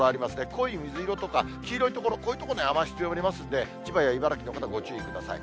濃い水色とか、黄色い所、こういう所、雨足強まりますので、千葉や茨城の方、ご注意ください。